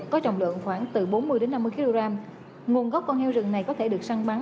có trọng lượng khoảng từ bốn mươi năm mươi kg nguồn gốc con heo rừng này có thể được săn bắn